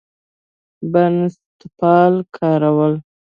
بنسټپال کاروي.